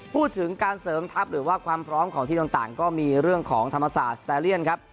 พูดถึงการเสริมทัพหรือว่าความพร้อมของทีมต่างก็มีเรื่องของธรรมศาสตร์สตาเลียนครับ